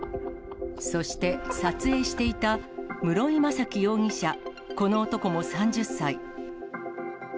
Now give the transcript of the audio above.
そして撮影していた室井大樹容疑者、この男も３０歳。